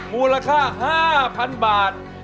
มูลค่า๕๐๐๐บาท